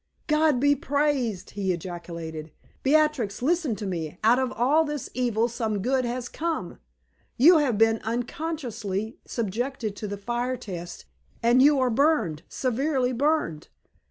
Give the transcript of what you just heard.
"God be praised!" he ejaculated. "Beatrix, listen to me: out of all this evil some good has come. You have been unconsciously subjected to the fire test, and you are burned, severely burned.